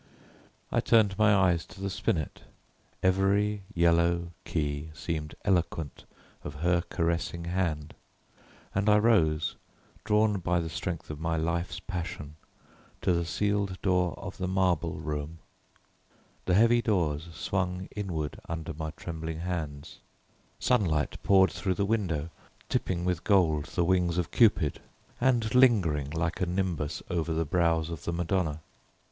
I turned my eyes to the spinet; every yellow key seemed eloquent of her caressing hand, and I rose, drawn by the strength of my life's passion to the sealed door of the marble room. The heavy doors swung inward under my trembling hands. Sunlight poured through the window, tipping with gold the wings of Cupid, and lingered like a nimbus over the brows of the Madonna.